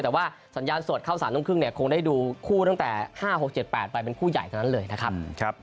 แต่ว่าสัญญาณสดเข้า๓ทุ่มครึ่งเนี่ยคงได้ดูคู่ตั้งแต่๕๖๗๘ไปเป็นคู่ใหญ่ทั้งนั้นเลยนะครับ